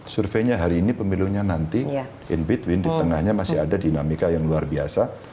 surveinya hari ini pemilunya nanti in between di tengahnya masih ada dinamika yang luar biasa